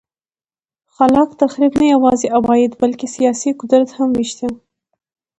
خلاق تخریب نه یوازې عواید بلکه سیاسي قدرت هم وېشه.